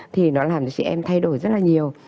thì nó làm cho chị em thay đổi rất là nhiều